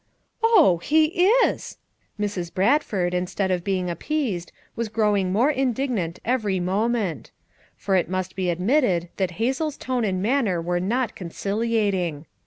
"Oh, he is!" Mrs. Bradford, instead of being appeased was growing more indignant every moment; for it must he admitted that Hazel ? s tone and manner were not conciliating.